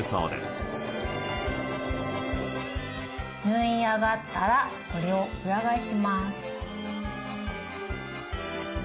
縫い上がったらこれを裏返します。